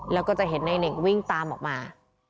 แล้วก็จะเห็นในเน่งวิ่งตามออกมา